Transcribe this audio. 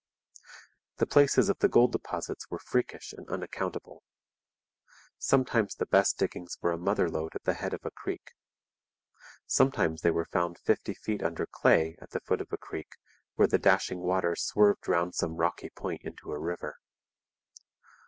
The places of the gold deposits were freakish and unaccountable. Sometimes the best diggings were a mother lode at the head of a creek. Sometimes they were found fifty feet under clay at the foot of a creek where the dashing waters swerved round some rocky point into a river.